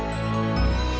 pakai nh nya lagi gue